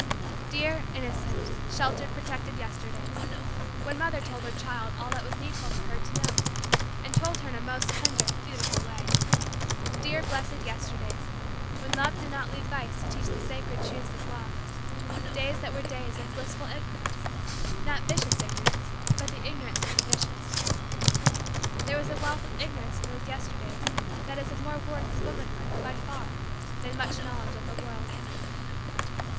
Dear, innocent, sheltered, protected, Yesterdays when mother told her child all that was needful for her to know, and told her in a most tender, beautiful, way. Dear, blessed, Yesterdays when love did not leave vice to teach the sacred truths of love days that were days of blissful Ignorance not vicious Ignorance but ignorance of the vicious. There was a wealth of Ignorance in those Yesterdays that is of more worth to womanhood, by far, than much knowledge of the world.